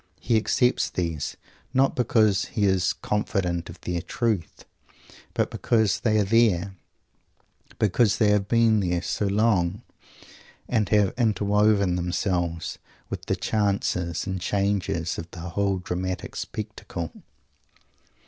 He accepts these, not because he is confident of their "truth" but because they are there; because they have been there so long, and have interwoven themselves with the chances and changes of the whole dramatic spectacle.